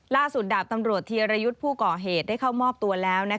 ดาบตำรวจธีรยุทธ์ผู้ก่อเหตุได้เข้ามอบตัวแล้ว